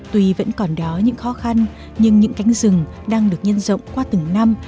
tuy vẫn còn đó những khó khăn nhưng những cánh rừng đang được nhân rộng qua từng năm